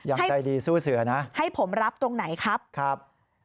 ยังใจดีสู้เสือนะให้ผมรับตรงไหนครับครับ